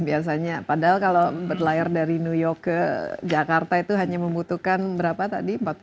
biasanya padahal kalau berlayar dari new york ke jakarta itu hanya membutuhkan berapa tadi